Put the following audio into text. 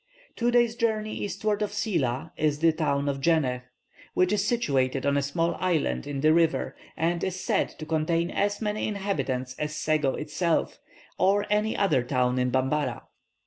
"Two days' journey eastward of Silla is the town of Djenneh, which is situated on a small island in the river, and is said to contain as many inhabitants as Sego itself, or any other town in Bambara.